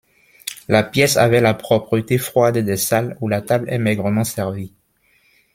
La pièce avait la propreté froide des salles où la table est maigrement servie.